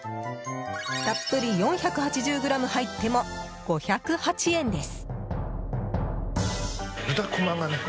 たっぷり４８０ｇ入っても５０８円です。